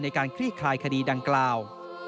ในการคลี่คลายคดีดังกล่าว